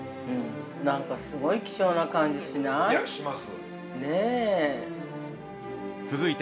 ◆何かすごい希少な感じしない？